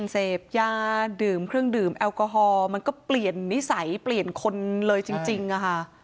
เสพยาดื่มเครื่องดื่มแอลกอฮอล์มันก็เปลี่ยนนิสัยเปลี่ยนคนเลยจริงอะค่ะ